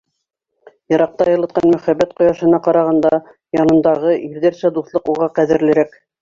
Йыраҡта йылытҡан мөхәббәт ҡояшына ҡарағанда, янындағы, ирҙәрсә дуҫлыҡ уға ҡәҙерлерәк.